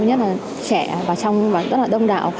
nhất là trẻ và trong và rất là đông đạo